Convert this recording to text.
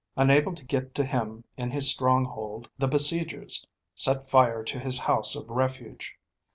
Unable to get to him in his stronghold, the besiegers set fire to his house of refuge.